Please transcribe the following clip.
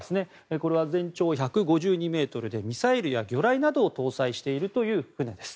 これは、全長１５２ｍでミサイルや魚雷などを搭載している船です。